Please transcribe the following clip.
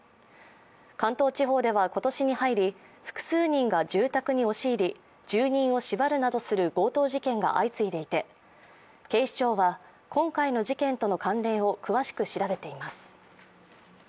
関東地方では今年に入り複数人が住宅に押し入り住人を縛るなどする強盗事件が相次いでいて、警視庁は、今回の事件との関連を詳しく調べています。